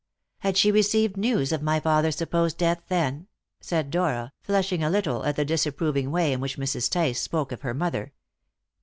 "Had she received news of my father's supposed death then?" said Dora, flushing a little at the disapproving way in which Mrs. Tice spoke of her mother.